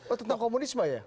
oh tentang komunisme ya